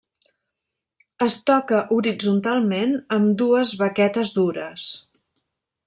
Es toca horitzontalment amb dues baquetes dures.